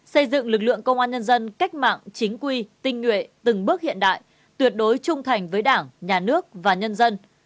xây dựng lực lượng công an nhân dân cách mạng chính quy tinh nguyện từng bước hiện đại tuyệt đối trung thành với đảng nhà nước và nhân dân